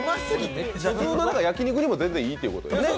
普通の焼き肉にも全然いいということよね？